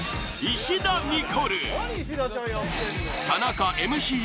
田中ＭＣＵ